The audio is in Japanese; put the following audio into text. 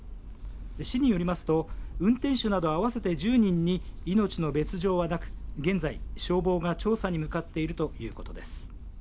市によりますと運転手など合わせて１０人に命の別状はなく現在、消防が調査に向かっているということです。